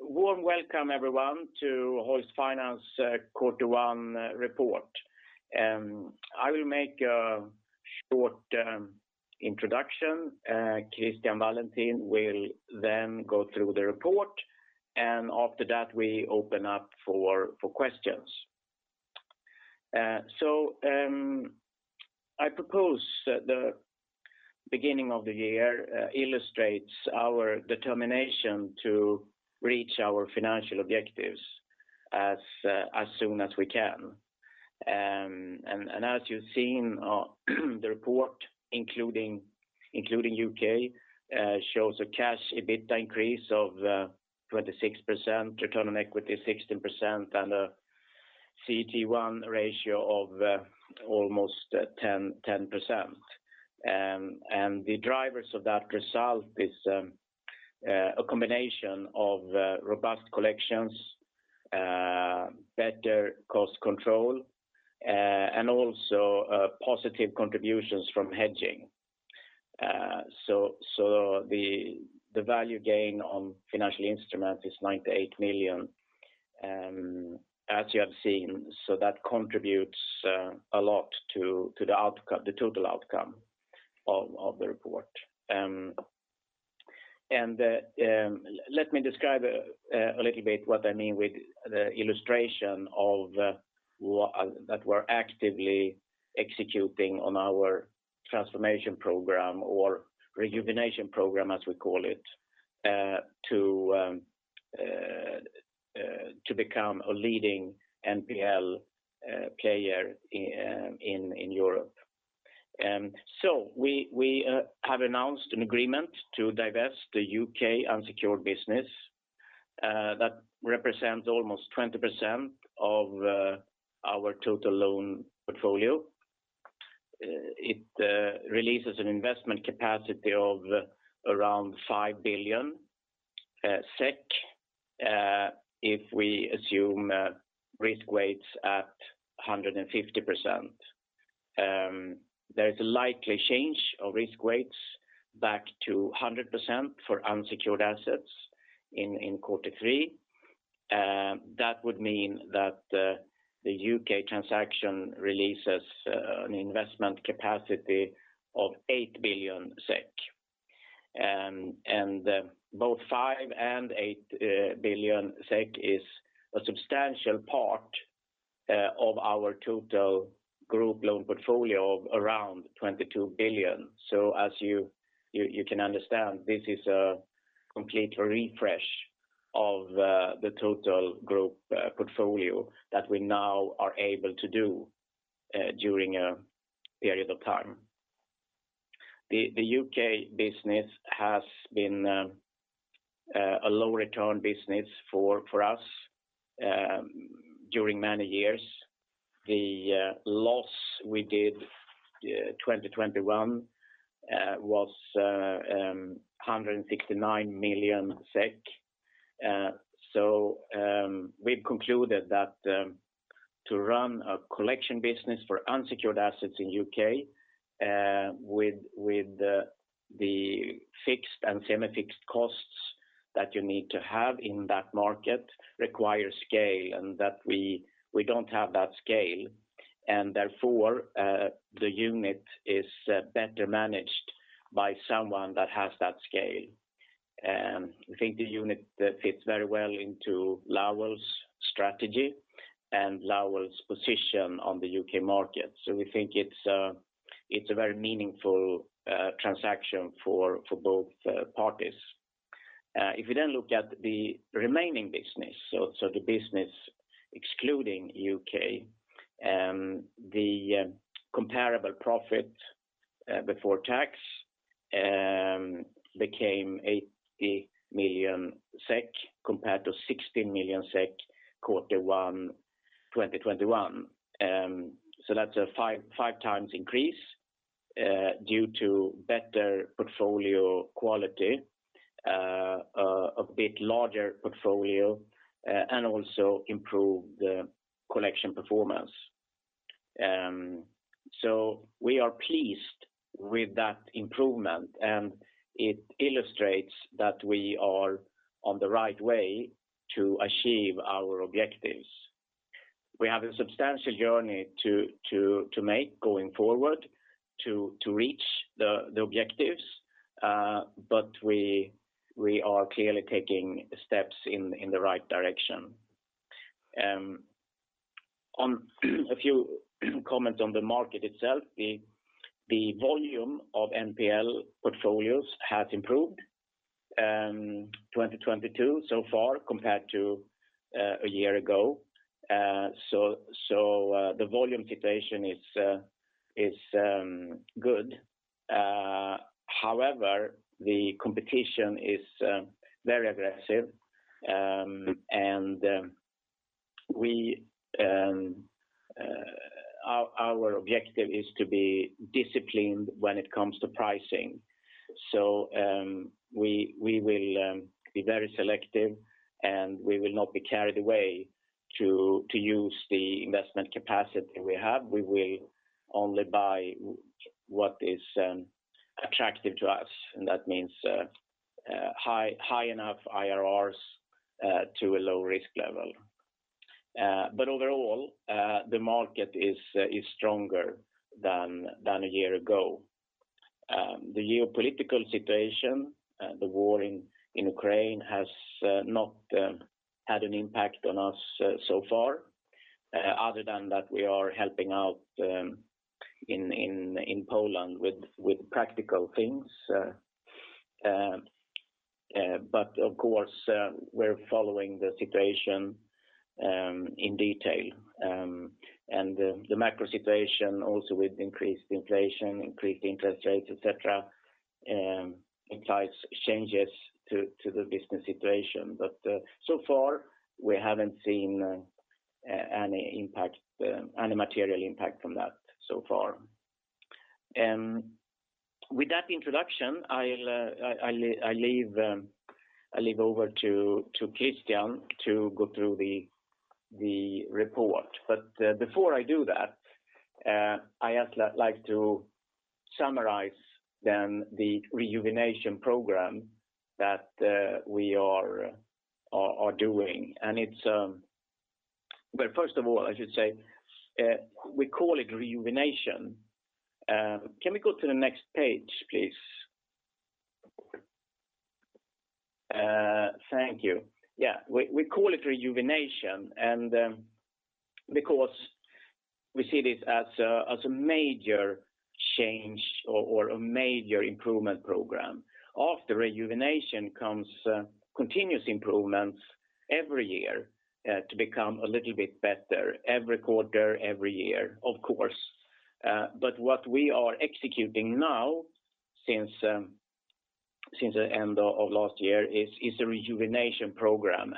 Warm welcome, everyone, to Hoist Finance Quarter One Report. I will make a short introduction. Christian Wallentin will then go through the report and after that we open up for questions. I propose the beginning of the year illustrates our determination to reach our financial objectives as soon as we can. As you've seen, the report including U.K. shows a cash EBITDA increase of 26%, return on equity 16% and a CET1 ratio of almost 10%. The drivers of that result is a combination of robust collections, better cost control, and also positive contributions from hedging. The value gain on financial instruments is 98 million, as you have seen. That contributes a lot to the total outcome of the report. Let me describe a little bit what I mean with the illustration that we're actively executing on our Transformation Program or Rejuvenation Program, as we call it, to become a leading NPL player in Europe. We have announced an agreement to divest the U.K. unsecured business that represents almost 20% of our total loan portfolio. It releases an investment capacity of around SEK 5 billion if we assume risk weights at 150%. There is a likely change of risk weights back to 100% for unsecured assets in quarter three. That would mean that the U.K. transaction releases an investment capacity of 8 billion SEK. Both 5 billion and 8 billion SEK is a substantial part of our total group loan portfolio of around 22 billion. As you can understand, this is a complete refresh of the total group portfolio that we now are able to do during a period of time. The UK business has been a low return business for us during many years. The loss we did 2021 was SEK 169 million. We've concluded that to run a collection business for unsecured assets in U.K. with the fixed and semi-fixed costs that you need to have in that market require scale and that we don't have that scale. Therefore, the unit is better managed by someone that has that scale. We think the unit fits very well into Lowell's strategy and Lowell's position on the U.K. market. We think it's a very meaningful transaction for both parties. If you then look at the remaining business, the business excluding U.K., the comparable profit before tax became 80 million SEK compared to 60 million SEK quarter one 2021. That's a 5x increase due to better portfolio quality, a bit larger portfolio, and also improved collection performance. We are pleased with that improvement, and it illustrates that we are on the right way to achieve our objectives. We have a substantial journey to make going forward to reach the objectives, but we are clearly taking steps in the right direction. A few comments on the market itself, the volume of NPL portfolios has improved 2022 so far compared to a year ago. The volume situation is good. However, the competition is very aggressive, and our objective is to be disciplined when it comes to pricing. We will be very selective, and we will not be carried away to use the investment capacity we have. We will only buy what is attractive to us, and that means high enough IRRs to a low risk level. Overall, the market is stronger than a year ago. The geopolitical situation, the war in Ukraine has not had an impact on us so far, other than that we are helping out in Poland with practical things. Of course, we're following the situation in detail. The macro situation also with increased inflation, increased interest rates, et cetera, implies changes to the business situation. So far we haven't seen any impact, any material impact from that so far. With that introduction, I'll leave over to Christian to go through the report. Before I do that, I'd just like to summarize then the Rejuvenation Program that we are doing. Well, first of all, I should say, we call it rejuvenation. Can we go to the next page, please? Thank you. Yeah. We call it rejuvenation and because we see this as a major change or a major improvement program. After rejuvenation comes continuous improvements every year to become a little bit better every quarter, every year, of course. What we are executing now since the end of last year is a Rejuvenation Program.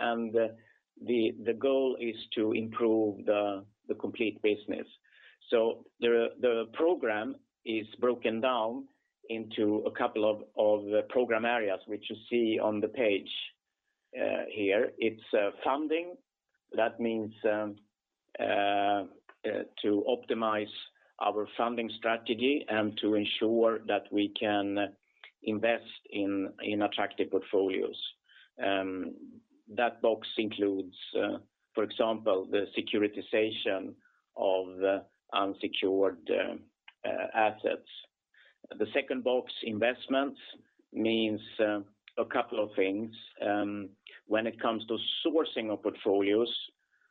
The goal is to improve the complete business. The program is broken down into a couple of program areas, which you see on the page here. It's funding. That means to optimize our funding strategy and to ensure that we can invest in attractive portfolios. That box includes, for example, the securitization of unsecured assets. The second box, investments, means a couple of things. When it comes to sourcing of portfolios,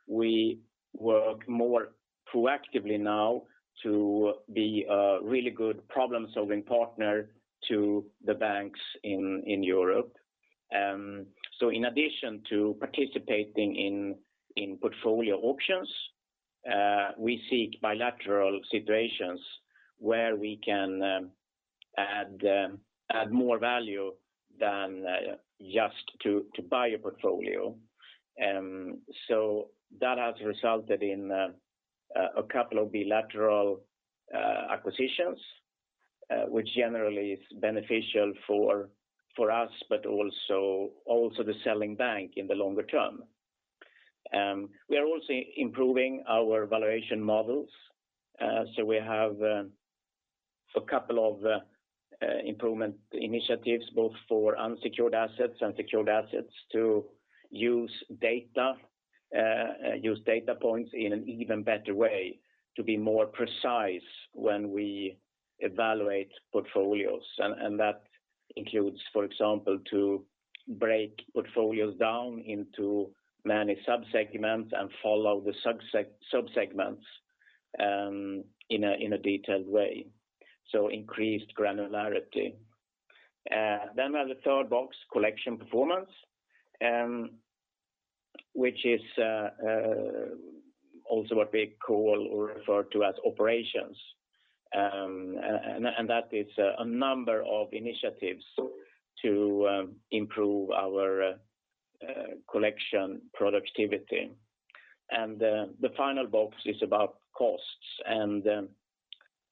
we work more proactively now to be a really good problem-solving partner to the banks in Europe. In addition to participating in portfolio auctions, we seek bilateral situations where we can add more value than just to buy a portfolio. That has resulted in a couple of bilateral acquisitions, which generally is beneficial for us, but also the selling bank in the longer term. We are also improving our valuation models. We have a couple of improvement initiatives both for unsecured assets and secured assets to use data points in an even better way to be more precise when we evaluate portfolios. That includes, for example, to break portfolios down into many subsegments and follow the subsegments in a detailed way, increased granularity. We have the third box, collection performance, which is also what we call or refer to as operations. That is a number of initiatives to improve our collection productivity. The final box is about costs.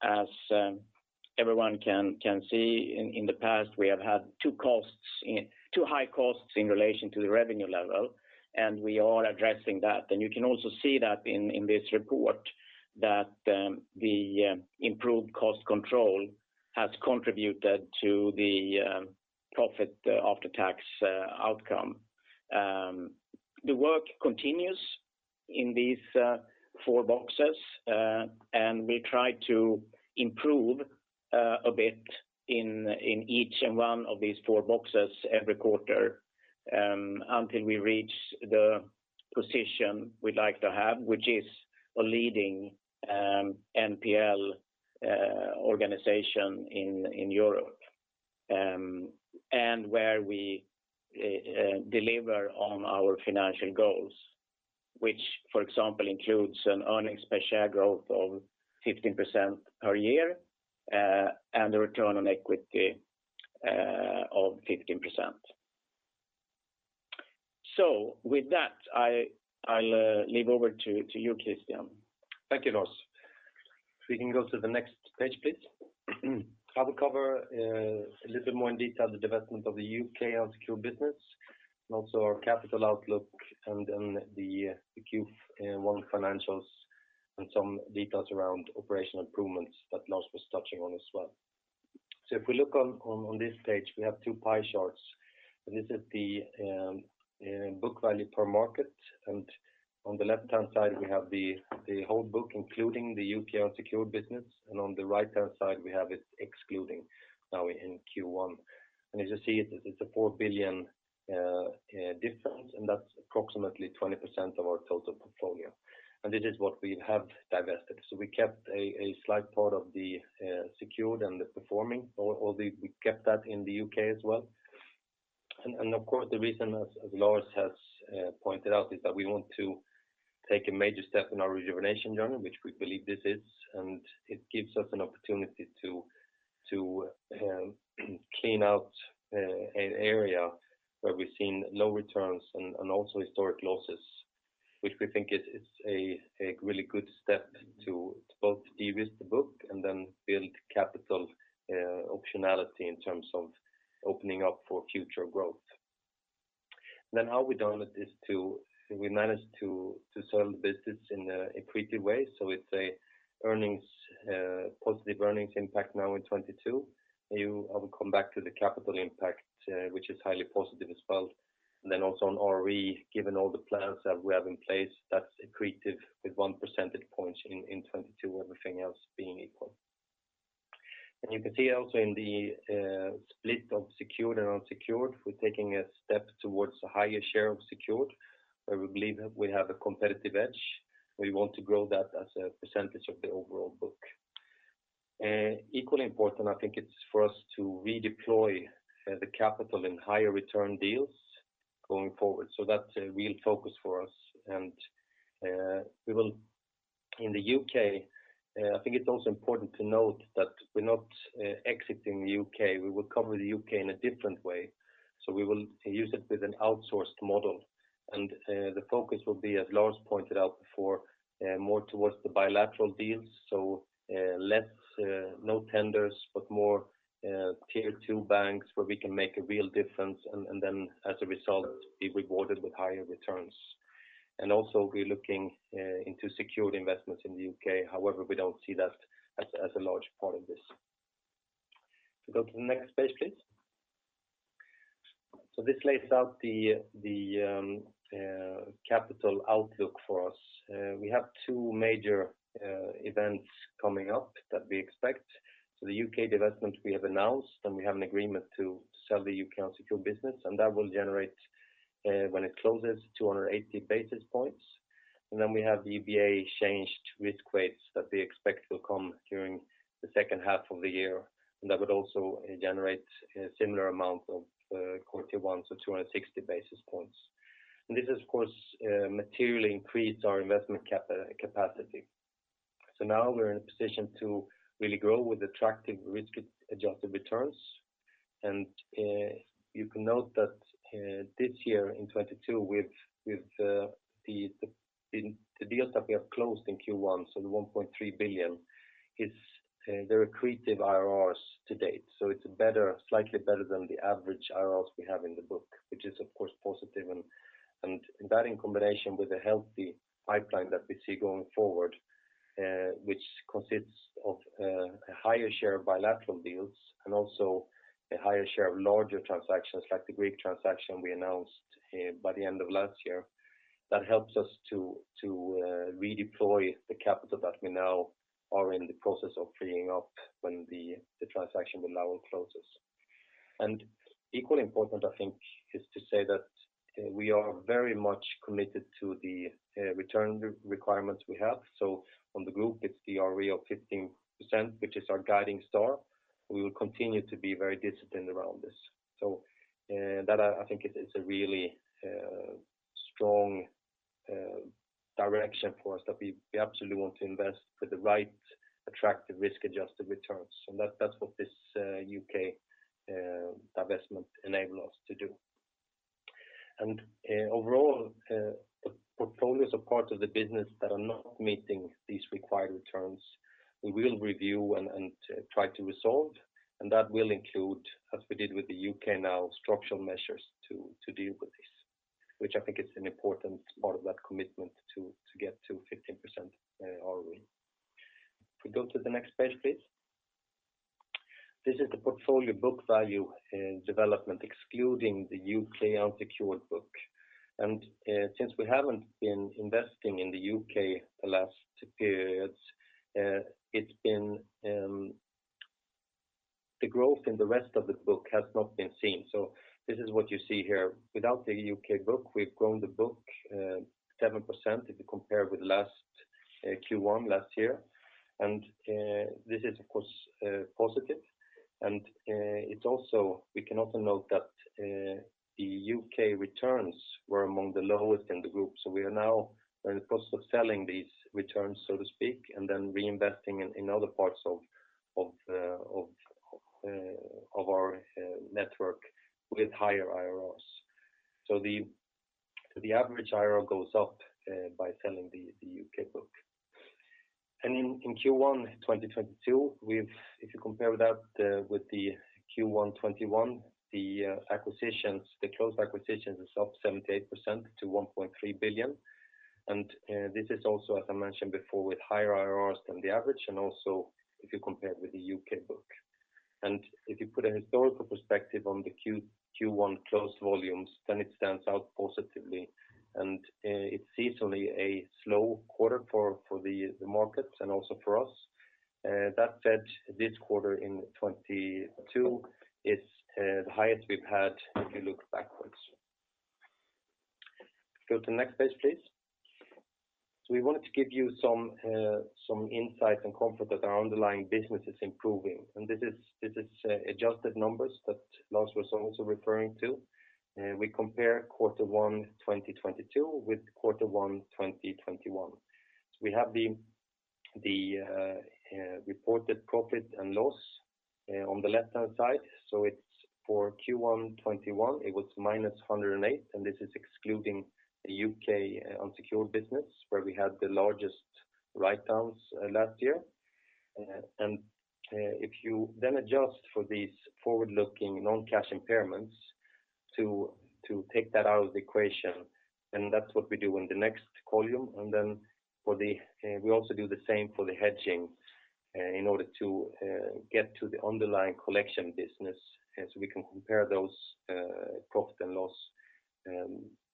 As everyone can see in the past, we have had two high costs in relation to the revenue level, and we are addressing that. You can also see that in this report that the improved cost control has contributed to the profit after tax outcome. The work continues in these four boxes, and we try to improve a bit in each one of these four boxes every quarter, until we reach the position we'd like to have, which is a leading NPL organization in Europe, where we deliver on our financial goals, which, for example, includes an earnings per share growth of 15% per year, and a return on equity of 15%. With that, I'll hand over to you, Christian. Thank you, Lars. If we can go to the next page, please. I will cover a little more in detail the development of the U.K. unsecured business and also our capital outlook and then the Q1 financials and some details around operational improvements that Lars was touching on as well. If we look on this page, we have two pie charts, and this is the book value per market. On the left-hand side we have the whole book, including the U.K. unsecured business, and on the right-hand side, we have it excluding now in Q1. As you see, it's a 4 billion difference, and that's approximately 20% of our total portfolio. This is what we have divested. We kept a slight part of the secured and the performing or the. We kept that in the U.K. as well. Of course, the reason as Lars has pointed out is that we want to take a major step in our rejuvenation journey, which we believe this is. It gives us an opportunity to clean out an area where we've seen low returns and also historic losses, which we think is a really good step to both de-risk the book and then build capital optionality in terms of opening up for future growth. We managed to sell the business in an accretive way. It's an earnings positive earnings impact now in 2022. I will come back to the capital impact, which is highly positive as well. Then also on ROE, given all the plans that we have in place, that's accretive with one percentage point in 2022, everything else being equal. You can see also in the split of secured and unsecured, we're taking a step towards a higher share of secured, where we believe we have a competitive edge. We want to grow that as a percentage of the overall book. Equally important, I think it's for us to redeploy the capital in higher return deals going forward. That's a real focus for us. In the U.K., I think it's also important to note that we're not exiting the U.K.. We will cover the U.K. in a different way, so we will use it with an outsourced model. The focus will be, as Lars pointed out before, more towards the bilateral deals. Less no tenders, but more Tier II banks where we can make a real difference and then as a result, be rewarded with higher returns. Also, we're looking into secured investments in the U.K.. However, we don't see that as a large part of this. If we go to the next page, please. This lays out the capital outlook for us. We have two major events coming up that we expect. The U.K. divestment we have announced, and we have an agreement to sell the U.K. unsecured business, and that will generate, when it closes, 280 basis points. Then we have the EBA changed risk weights that we expect will come during the second half of the year. That would also generate a similar amount of quarter one, so 260 basis points. This of course materially increase our investment capacity. Now we're in a position to really grow with attractive risk-adjusted returns. You can note that this year in 2022 with the deals that we have closed in Q1, so the 1.3 billion is they're accretive IRRs to date. It's better, slightly better than the average IRRs we have in the book, which is of course positive. That in combination with a healthy pipeline that we see going forward, which consists of a higher share of bilateral deals and also a higher share of larger transactions, like the Greek transaction we announced by the end of last year, that helps us to redeploy the capital that we now are in the process of freeing up when the transaction will now close. Equally important, I think, is to say that we are very much committed to the return requirements we have. On the group, it's the ROE of 15%, which is our guiding star. We will continue to be very disciplined around this. That I think it is a really strong direction for us that we absolutely want to invest with the right attractive risk-adjusted returns. That's what this U.K. divestment enable us to do. Overall, the portfolios are part of the business that are not meeting these required returns. We will review and try to resolve. That will include, as we did with the U.K. now, structural measures to deal with this. Which I think is an important part of that commitment to get to 15% ROE. If we go to the next page, please. This is the portfolio book value development excluding the U.K. unsecured book. Since we haven't been investing in the U.K. the last periods, it's been the growth in the rest of the book has not been seen. This is what you see here. Without the U.K. book, we've grown the book 7% if you compare with last Q1 last year. This is of course positive. It's also. We can also note that the U.K. returns were among the lowest in the group. We are now in the process of selling these returns, so to speak, and then reinvesting in other parts of our network with higher IRRs. The average IRR goes up by selling the U.K. book. In Q1 2022, if you compare that with the Q1 2021, the acquisitions, the closed acquisitions is up 78% to 1.3 billion. This is also, as I mentioned before, with higher IRRs than the average and also if you compare it with the U.K. book. If you put a historical perspective on the Q1 closed volumes, then it stands out positively. It's seasonally a slow quarter for the markets and also for us. That said, this quarter in 2022 is the highest we've had if you look backwards. Go to the next page, please. We wanted to give you some insight and comfort that our underlying business is improving. This is adjusted numbers that Lars was also referring to. We compare Q1 2022 with Q1 2021. We have the reported profit and loss on the left-hand side. It's for Q1 2021, it was -108, and this is excluding the U.K. unsecured business where we had the largest write-downs last year. If you then adjust for these forward-looking non-cash impairments to take that out of the equation, then that's what we do in the next column. We also do the same for the hedging in order to get to the underlying collection business as we can compare those profit and loss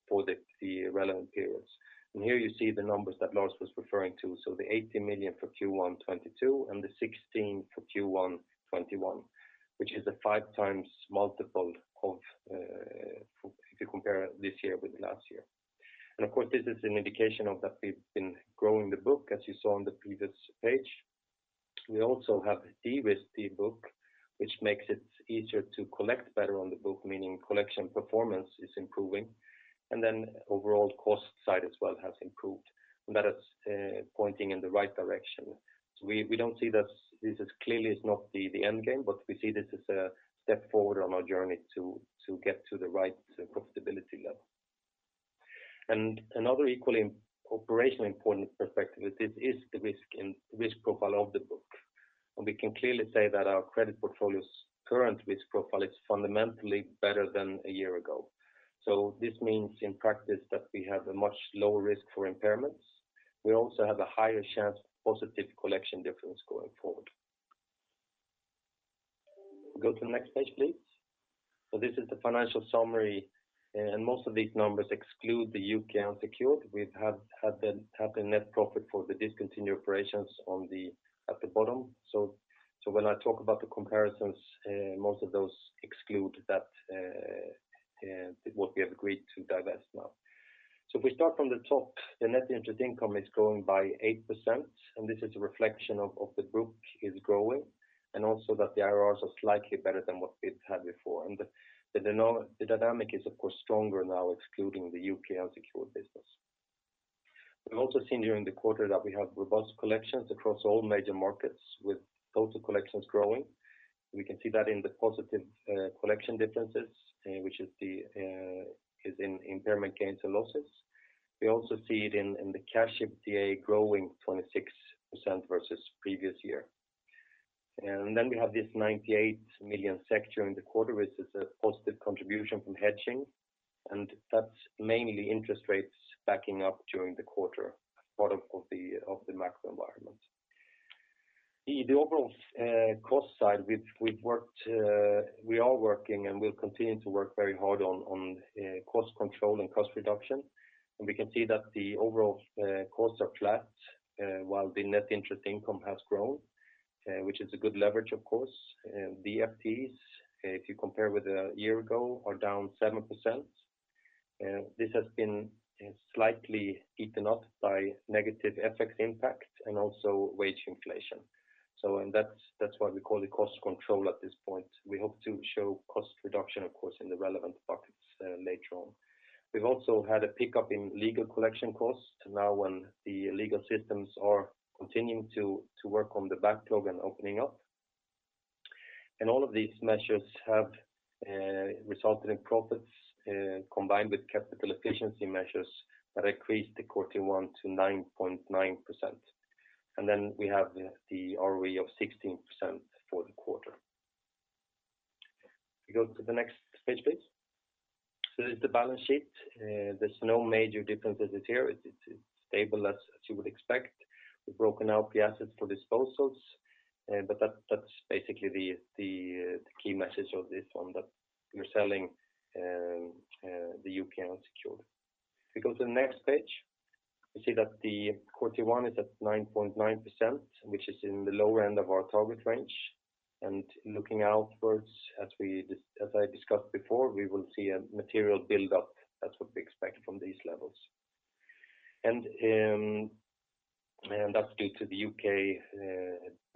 for the relevant periods. Here you see the numbers that Lars was referring to. The 80 million for Q1 2022 and the 16 million for Q1 2021, which is a 5x multiple if you compare this year with last year. Of course, this is an indication of that we've been growing the book as you saw on the previous page. We also have a de-risked book which makes it easier to collect better on the book, meaning collection performance is improving. Overall cost side as well has improved, and that is pointing in the right direction. We don't see this clearly as the end game, but we see this as a step forward on our journey to get to the right profitability level. Another equally important operational perspective is the risk profile of the book. We can clearly say that our credit portfolio's current risk profile is fundamentally better than a year ago. This means in practice that we have a much lower risk for impairments. We also have a higher chance of positive collection difference going forward. Go to the next page, please. This is the financial summary, and most of these numbers exclude the U.K. unsecured. We've had the net profit for the discontinued operations at the bottom. When I talk about the comparisons, most of those exclude that, what we have agreed to divest now. If we start from the top, the net interest income is growing by 8%, and this is a reflection of the book is growing, and also that the IRRs are slightly better than what we've had before. The dynamic is of course stronger now excluding the U.K. unsecured business. We've also seen during the quarter that we have robust collections across all major markets with total collections growing. We can see that in the positive collection differences, which is in impairment gains and losses. We also see it in the cash EBITDA growing 26% versus previous year. Then we have this 98 million during the quarter which is a positive contribution from hedging, and that's mainly interest rates backing up during the quarter as part of the macro environment. The overall cost side, we are working and will continue to work very hard on cost control and cost reduction. We can see that the overall costs are flat while the net interest income has grown, which is a good leverage of course. The FTEs, if you compare with a year ago, are down 7%. This has been slightly eaten up by negative FX impact and also wage inflation. That's why we call it cost control at this point. We hope to show cost reduction, of course, in the relevant buckets later on. We've also had a pickup in legal collection costs now when the legal systems are continuing to work on the backlog and opening up. All of these measures have resulted in profits combined with capital efficiency measures that increased the quarter one to 9.9%. Then we have the ROE of 16% for the quarter. We go to the next page, please. This is the balance sheet. There's no major differences here. It's stable as you would expect. We've broken out the assets for disposals. That's basically the key message of this one that we're selling the U.K. unsecured. If we go to the next page, we see that the quarter one is at 9.9%, which is in the lower end of our target range. Looking outwards as I discussed before, we will see a material build up. That's what we expect from these levels. That's due to the UK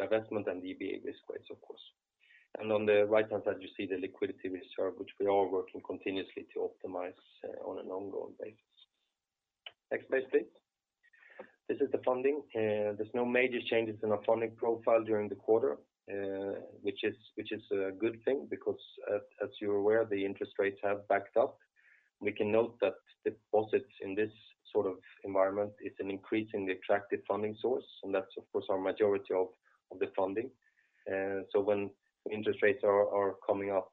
divestment and the EBA risk weights of course. On the right-hand side you see the liquidity reserve which we are working continuously to optimize on an ongoing basis. Next page, please. This is the funding. There's no major changes in our funding profile during the quarter, which is a good thing because as you're aware, the interest rates have backed up. We can note that deposits in this sort of environment is an increasingly attractive funding source, and that's of course our majority of the funding. So when interest rates are coming up,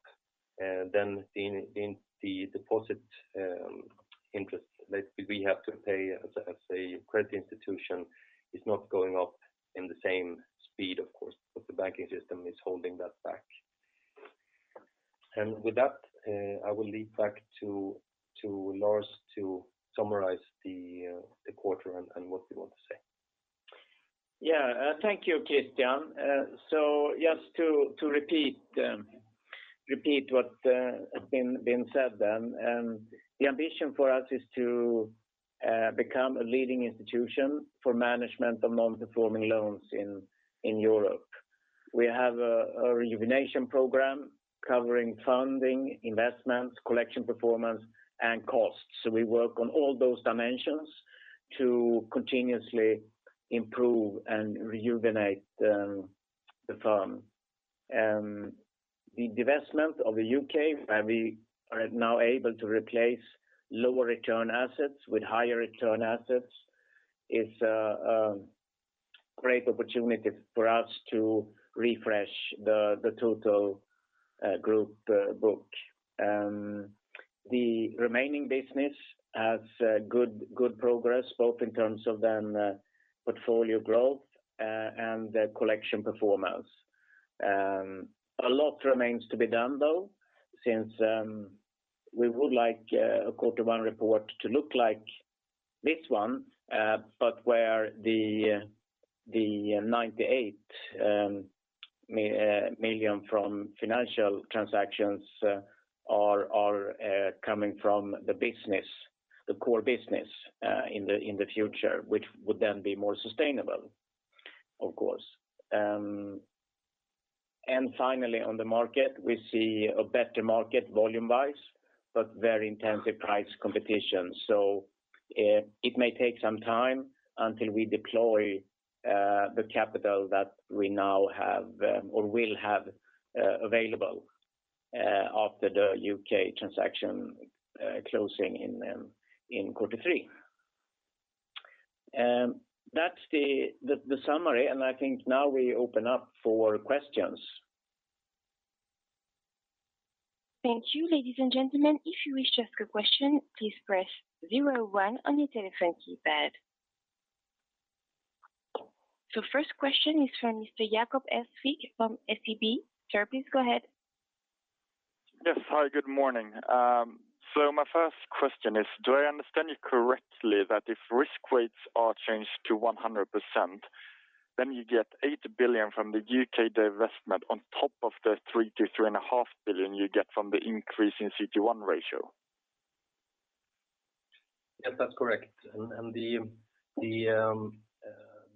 then the deposit interest that we have to pay as a credit institution is not going up in the same speed, of course, but the banking system is holding that back. With that, I will leave back to Lars to summarize the quarter and what we want to say. Yeah. Thank you, Christian. Just to repeat what has been said then, the ambition for us is to become a leading institution for management of non-performing loans in Europe. We have a Rejuvenation Program covering funding, investments, collection performance, and costs. We work on all those dimensions to continuously improve and rejuvenate the firm. The divestment of the U.K., where we are now able to replace lower return assets with higher return assets is a great opportunity for us to refresh the total group book. The remaining business has good progress both in terms of portfolio growth and the collection performance. A lot remains to be done though, since we would like a quarter one report to look like this one, but where the 98 million from financial transactions are coming from the business, the core business, in the future, which would then be more sustainable, of course. Finally on the market, we see a better market volume-wise, but very intensive price competition. It may take some time until we deploy the capital that we now have, or will have, available, after the U.K. transaction closing in quarter three. That's the summary, and I think now we open up for questions. Thank you. Ladies and gentlemen, if you wish to ask a question, please press zero one on your telephone keypad. First question is from Mr. Jacob Hesslevik from SEB. Sir, please go ahead. Yes. Hi, good morning. My first question is, do I understand you correctly that if risk weights are changed to 100%, then you get 8 billion from the U.K. divestment on top of the 3 billion-3.5 billion you get from the increase in CET1 ratio? Yes, that's correct.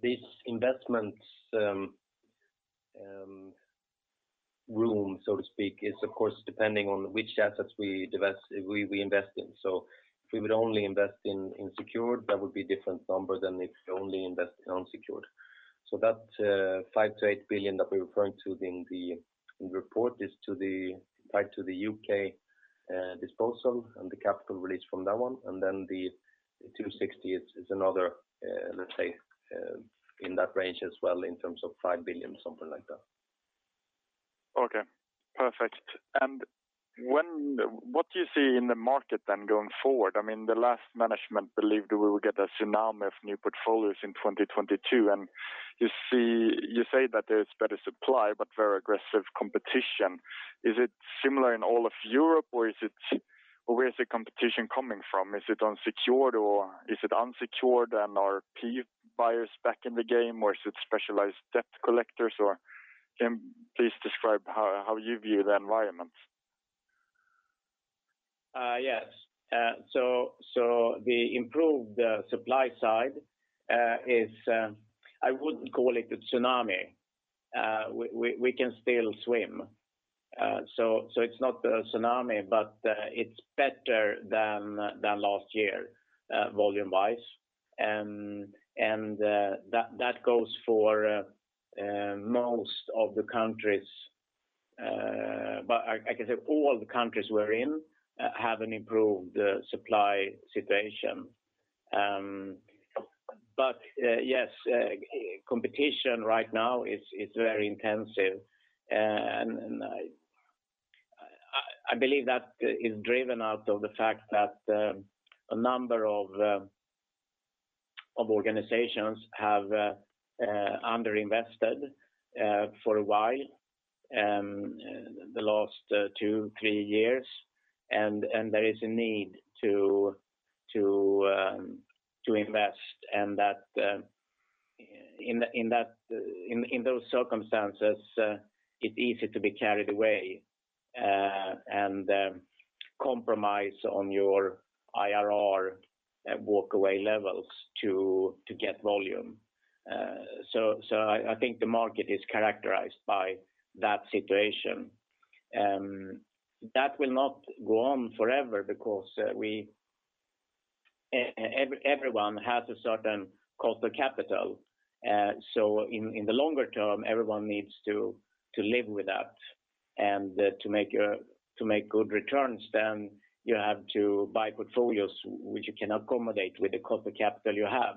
The investments room, so to speak, is of course depending on which assets we invest in. If we would only invest in secured, that would be a different number than if we only invest in unsecured. That 5 billion-8 billion that we're referring to in the report is tied to the U.K. disposal and the capital release from that one. Then the 260 is another, let's say, in that range as well in terms of 5 billion, something like that. Okay, perfect. What do you see in the market then going forward? I mean, the last management believed we would get a tsunami of new portfolios in 2022, and you say that there's better supply but very aggressive competition. Is it similar in all of Europe? Where is the competition coming from? Is it unsecured and are PE buyers back in the game, or is it specialized debt collectors? Can you please describe how you view the environment? Yes. The improved supply side, I wouldn't call it a tsunami. We can still swim. It's not a tsunami, but it's better than last year, volume-wise. That goes for most of the countries. I can say all the countries we're in have an improved supply situation. Yes, competition right now is very intensive. I believe that is driven by the fact that a number of organizations have underinvested for a while, the last two, three years. There is a need to invest and that in those circumstances, it's easy to be carried away and compromise on your IRR walkaway levels to get volume. I think the market is characterized by that situation. That will not go on forever because everyone has a certain cost of capital. In the longer term, everyone needs to live with that. To make good returns, then you have to buy portfolios which you can accommodate with the cost of capital you have.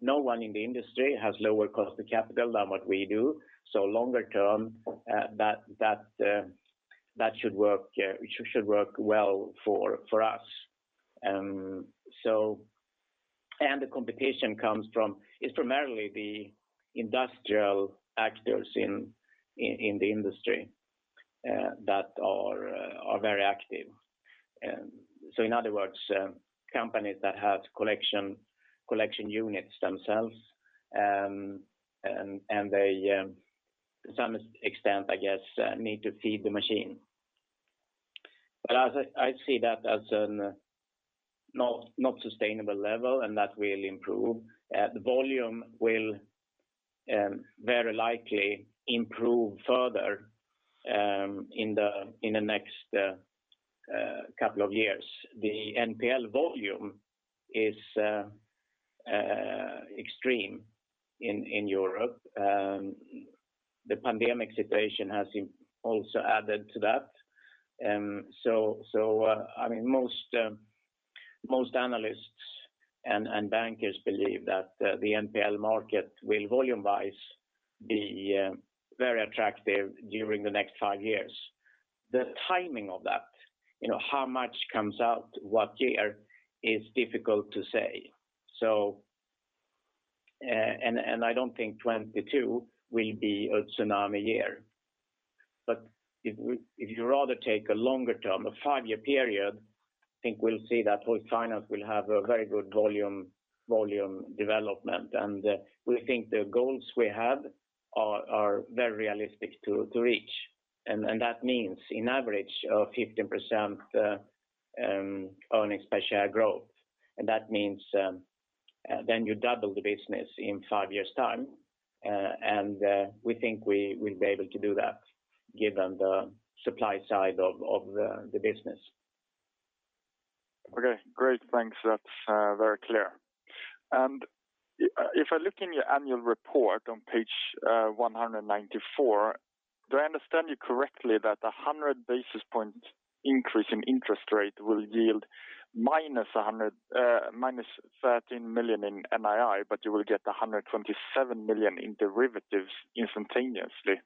No one in the industry has lower cost of capital than what we do. Longer term, that should work, it should work well for us. The competition is primarily the industrial actors in the industry that are very active. In other words, companies that have collection units themselves, and they to some extent, I guess, need to feed the machine. But as I see that as a not sustainable level, and that will improve. The volume will very likely improve further in the next couple of years. The NPL volume is extreme in Europe. The pandemic situation has also added to that. I mean, most analysts and bankers believe that the NPL market will volume-wise be very attractive during the next five years. The timing of that, you know, how much comes out, what year is difficult to say. I don't think 2022 will be a tsunami year. But if you rather take a longer term, a five-year period, I think we'll see that Hoist Finance will have a very good volume development. We think the goals we have are very realistic to reach. That means in average of 15% earnings per share growth. That means then you double the business in five years' time. We think we will be able to do that given the supply side of the business. Okay. Great. Thanks. That's very clear. If I look in your annual report on page 194, do I understand you correctly that 100 basis point increase in interest rate will yield -13 million in NII, but you will get 127 million in derivatives instantaneously?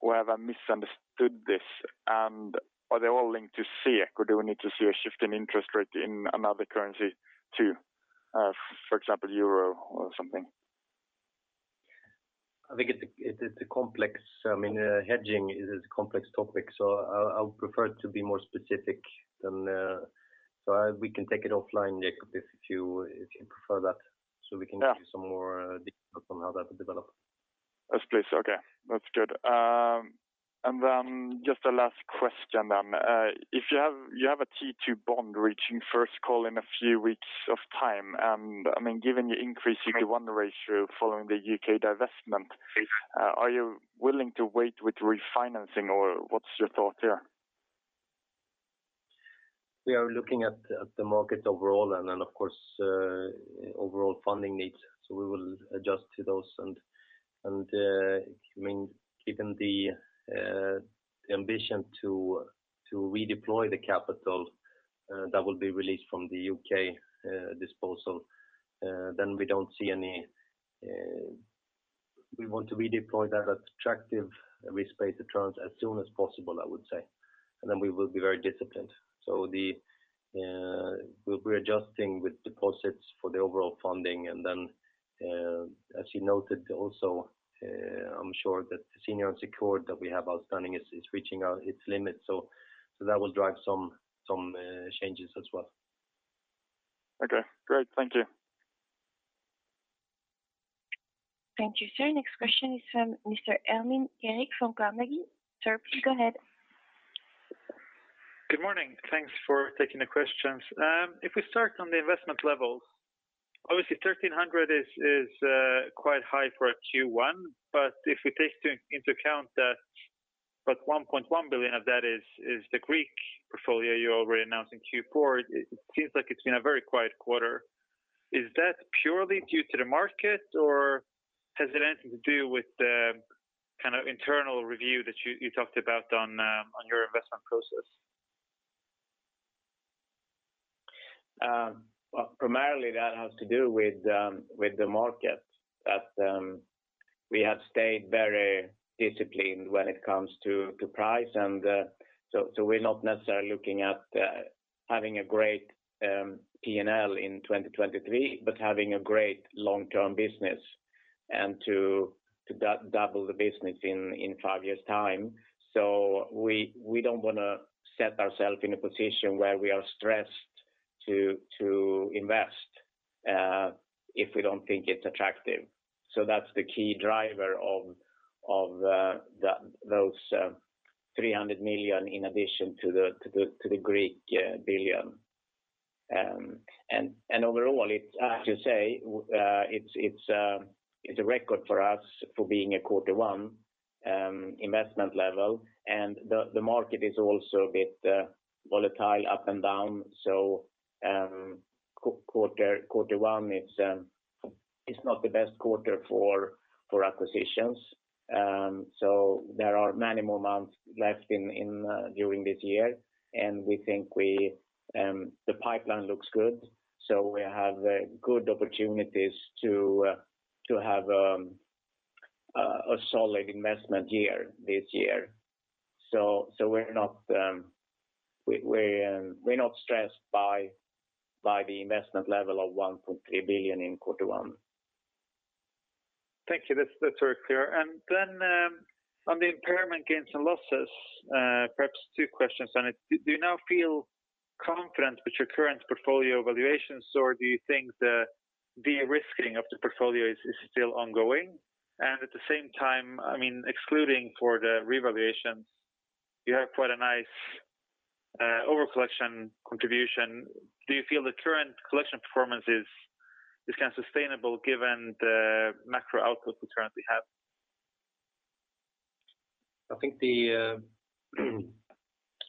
Or have I misunderstood this? Are they all linked to SEK, or do we need to see a shift in interest rate in another currency too, for example, euro or something? I think it's a complex. I mean, hedging is a complex topic, so I'll prefer to be more specific than. We can take it offline, Jacob, if you prefer that, so we can Yeah. Give you some more details on how that will develop. Yes, please. Okay. That's good. Just a last question then. If you have a T2 bond reaching first call in a few weeks of time. I mean, given your increase in the CET1 ratio following the U.K. divestment- Yes. Are you willing to wait with refinancing, or what's your thought there? We are looking at the market overall and then of course, overall funding needs. We will adjust to those. I mean, given the ambition to redeploy the capital that will be released from the U.K. disposal, we want to redeploy that attractive risk-based returns as soon as possible, I would say. Then we will be very disciplined. We'll be adjusting with deposits for the overall funding. As you noted also, I'm sure that the senior unsecured that we have outstanding is reaching its limits. That will drive some changes as well. Okay, great. Thank you. Thank you, sir. Next question is from Mr. Ermin Keric from Carnegie. Sir, please go ahead. Good morning. Thanks for taking the questions. If we start on the investment levels, obviously 1,300 is quite high for a Q1. If we take into account that about 1.1 billion of that is the Greek portfolio you already announced in Q4, it seems like it's been a very quiet quarter. Is that purely due to the market, or has it anything to do with the kind of internal review that you talked about on your investment process? Well, primarily that has to do with the market that we have stayed very disciplined when it comes to price. We're not necessarily looking at having a great P&L in 2023, but having a great long-term business and to double the business in five years' time. We don't wanna set ourselves in a position where we are stressed to invest if we don't think it's attractive. That's the key driver of those 300 million in addition to the Greek 1 billion, and overall it's a record for us for being a quarter one investment level, and the market is also a bit volatile up and down. Quarter one is not the best quarter for acquisitions. There are many more months left in the year, and we think the pipeline looks good, so we have good opportunities to have a solid investment year this year. We're not stressed by the investment level of 1.3 billion in quarter one. Thank you. That's very clear. On the impairment gains and losses, perhaps two questions on it. Do you now feel confident with your current portfolio valuations, or do you think the de-risking of the portfolio is still ongoing? At the same time, I mean, excluding for the revaluations, you have quite a nice over collection contribution. Do you feel the current collection performance is kind of sustainable given the macro outlook we currently have? I think,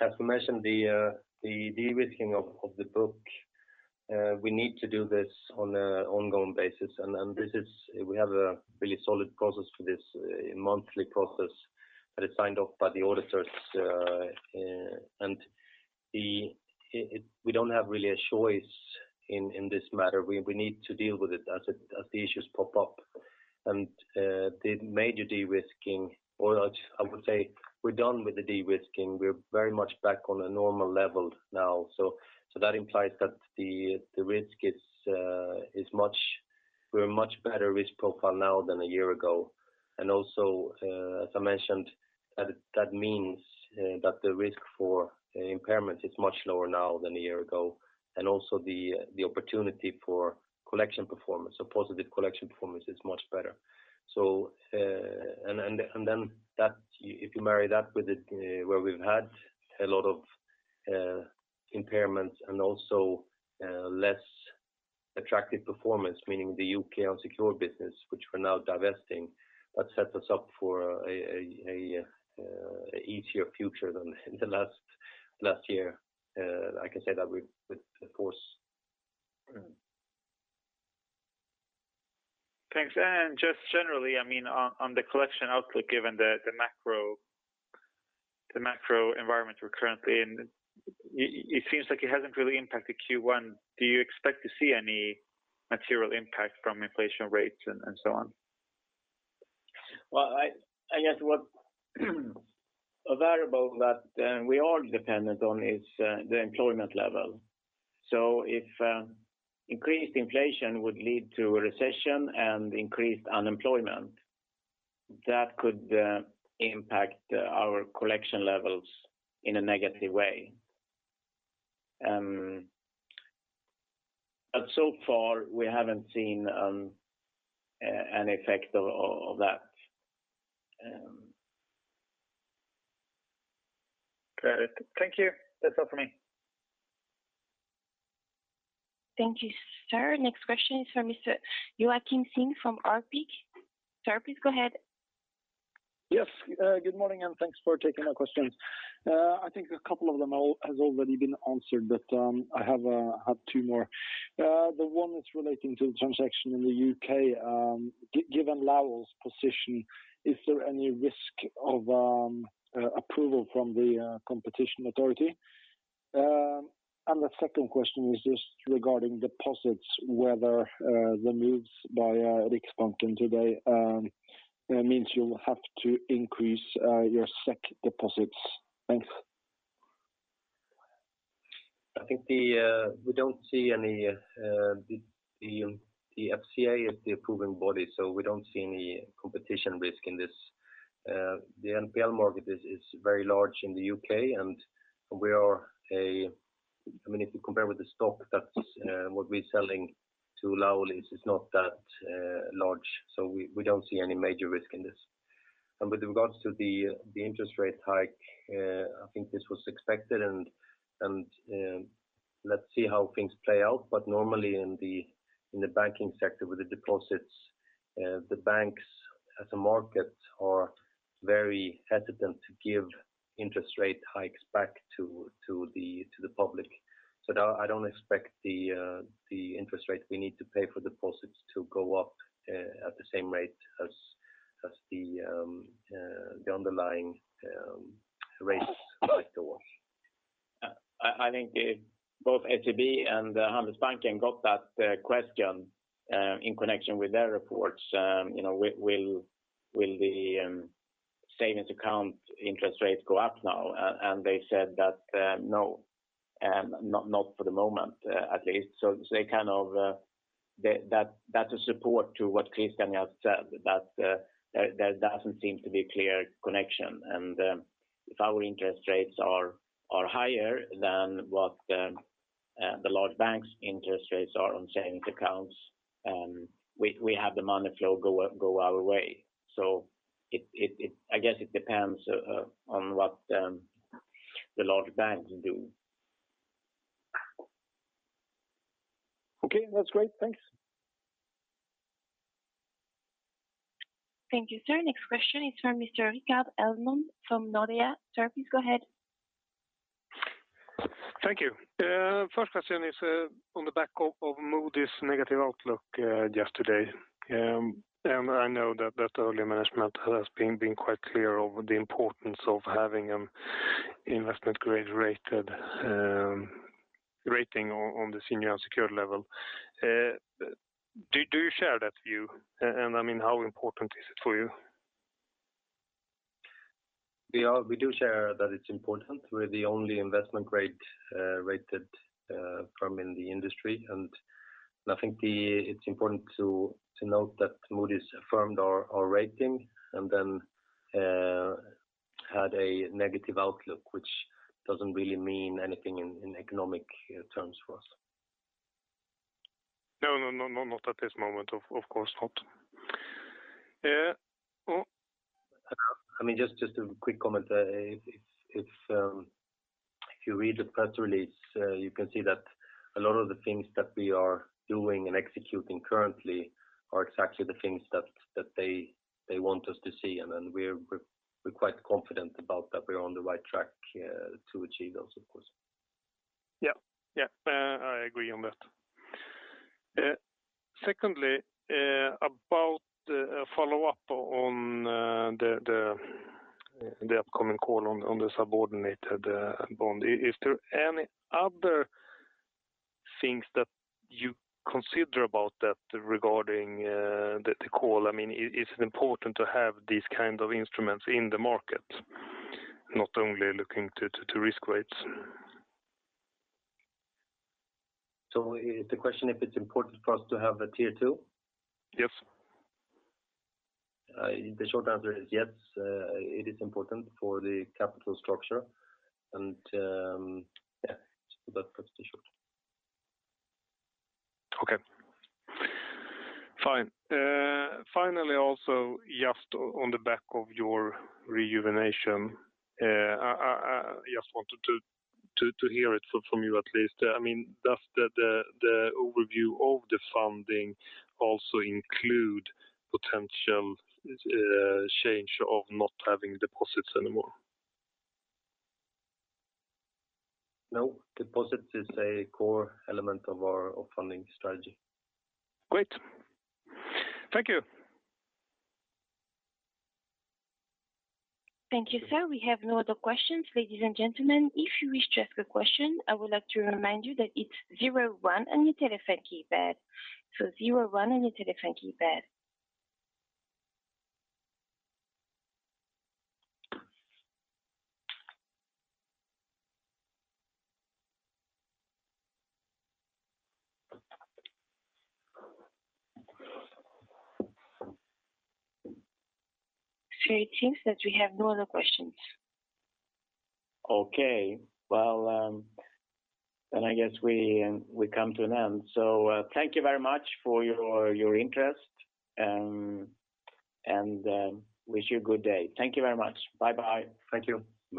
as we mentioned, the de-risking of the book we need to do this on an ongoing basis. We have a really solid process for this, a monthly process that is signed off by the auditors. We don't have really a choice in this matter. We need to deal with it as the issues pop up. The major de-risking or I would say we're done with the de-risking. We're very much back on a normal level now. That implies that the risk is much. We're a much better risk profile now than a year ago. As I mentioned, that means that the risk for impairment is much lower now than a year ago, and also the opportunity for collection performance or positive collection performance is much better. Then if you marry that with it, where we've had a lot of impairments and also less attractive performance, meaning the UK unsecured business, which we're now divesting, that sets us up for a easier future than the last year. I can say that with force. Thanks. Just generally, I mean, on the collection outlook, given the macro environment we're currently in, it seems like it hasn't really impacted Q1. Do you expect to see any material impact from inflation rates and so on? I guess what a variable that we are dependent on is the employment level. If increased inflation would lead to a recession and increased unemployment, that could impact our collection levels in a negative way. So far we haven't seen an effect of that. Got it. Thank you. That's all for me. Thank you, sir. Next question is from Mr. Björn Olsson from SEB. Sir, please go ahead. Yes. Good morning, and thanks for taking our questions. I think a couple of them has already been answered, but I have two more. The one that's relating to the transaction in the U.K.. Given Lowell's position, is there any risk of approval from the competition authority? The second question is just regarding deposits, whether the moves by Riksbanken today means you'll have to increase your SEK deposits. Thanks. We don't see any. The FCA is the approving body, so we don't see any competition risk in this. The NPL market is very large in the U.K., and we are. I mean, if you compare with the stock that's what we're selling to Lowell is not that large. We don't see any major risk in this. With regards to the interest rate hike, I think this was expected and, let's see how things play out. Normally in the banking sector with the deposits, the banks as a market are very hesitant to give interest rate hikes back to the public. No, I don't expect the interest rate we need to pay for deposits to go up at the same rate as the underlying rates, like STIBOR. I think both SEB and Handelsbanken got that question in connection with their reports. You know, will the savings account interest rates go up now? They said that no, not for the moment, at least. They kind of. That's a support to what Christian has said, that there doesn't seem to be a clear connection. If our interest rates are higher than what the large banks interest rates are on savings accounts, we have the money flow go our way. So I guess it depends on what the large banks do. Okay, that's great. Thanks. Thank you, sir. Next question is from Mr. Rickard Strand from Nordea. Sir, please go ahead. Thank you. First question is on the back of Moody's negative outlook yesterday. I know that earlier management has been quite clear of the importance of having investment grade rated rating on the senior unsecured level. Do you share that view? I mean how important is it for you? We do share that it's important. We're the only investment grade rated firm in the industry. I think it's important to note that Moody's affirmed our rating and then had a negative outlook, which doesn't really mean anything in economic terms for us. No, not at this moment, of course not. Yeah. I mean, just a quick comment. If you read the press release, you can see that a lot of the things that we are doing and executing currently are exactly the things that they want us to see. We're quite confident about that we're on the right track to achieve those, of course. Yeah, I agree on that. Secondly, about a follow-up on the upcoming call on the subordinated bond. Is there any other things that you consider about that regarding the call? I mean, is it important to have these kind of instruments in the market, not only looking to risk weights? The question if it's important for us to have a Tier II? Yes. The short answer is yes. It is important for the capital structure and, yeah, that's pretty short. Okay. Fine. Finally, also just on the back of your rejuvenation, I just wanted to hear it from you at least. I mean, does the overview of the funding also include potential change of not having deposits anymore? No, deposits is a core element of our funding strategy. Great. Thank you. Thank you, sir. We have no other questions. Ladies and gentlemen, if you wish to ask a question, I would like to remind you that it's zero one on your telephone keypad. Zero one on your telephone keypad. It seems that we have no other questions. Okay. Well, then I guess we come to an end. Thank you very much for your interest and wish you a good day. Thank you very much. Bye bye. Thank you. Bye.